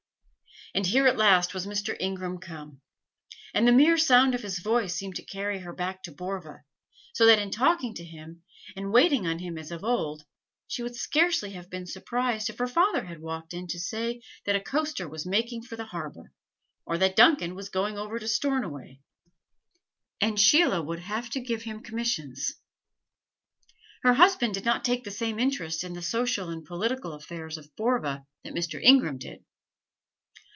And here at last was Mr. Ingram come; and the mere sound of his voice seemed to carry her back to Borva, so that in talking to him and waiting on him as of old, she would scarcely have been surprised if her father had walked in to say that a coaster was making for the harbor, or that Duncan was going over to Stornoway, and Sheila would have to give him commissions. Her husband did not take the same interest in the social and political affairs of Borva that Mr. Ingram did.